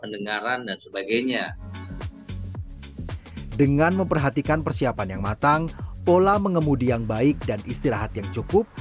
dengan memperhatikan persiapan yang matang pola mengemudi yang baik dan istirahat yang cukup